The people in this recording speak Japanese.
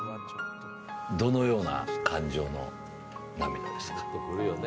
どのような感情の涙でしたか。